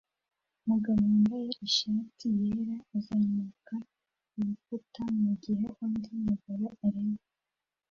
umugabo wambaye ishati yera azamuka kurukuta mugihe undi mugabo areba